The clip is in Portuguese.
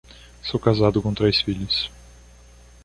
Sou casado com três filhos